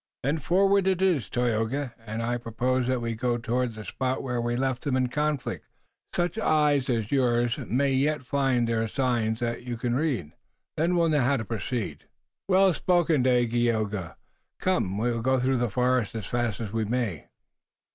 "Then forward it is, Tayoga, and I propose that we go toward the spot where we left them in conflict. Such eyes as yours may yet find there signs that you can read. Then we'll know how to proceed." "Well spoken, Dagaeoga. Come, we'll go through the forest as fast as we may."